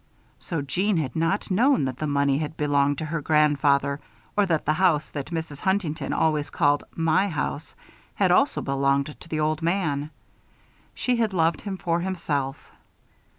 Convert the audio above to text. So Jeanne had not known that the money had belonged to her grandfather or that the house that Mrs. Huntington always called "my house" had also belonged to the old man. She had loved him for himself.